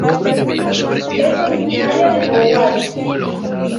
Es originaria de Uruguay.